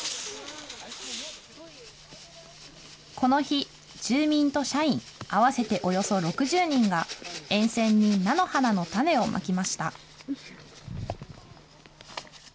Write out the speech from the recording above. この日、住民と社員合わせておよそ６０人が、沿線に菜の花の種をまきました。